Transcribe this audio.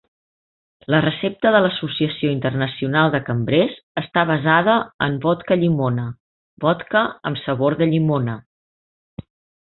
La recepta de l'Associació internacional de cambrers està basada en vodka llimona, vodka amb sabor de llimona.